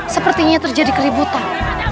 sepertinya terjadi keributan